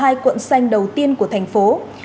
đây là quận xanh đầu tiên của thành phố